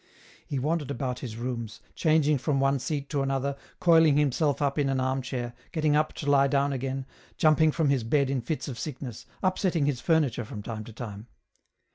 He wandered about his rooms, changing from one seat to another, coiling himself up in an arm chair, gettmg up to lie down again, jumping from his bed in fits of sickness, upsetting his furniture from time to time.